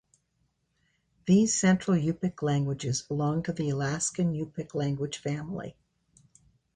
These Central Yupik languages belong to the Alaskan Yupik language family.